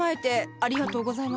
ありがとうございます。